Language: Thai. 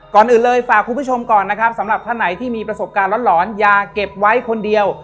ก่อนอื่นเลยฝากคุณผู้ชมก่อนนะครับสำหรับท่านไหนที่มีประสบการณ์หลอนอย่าเก็บไว้คนเดียว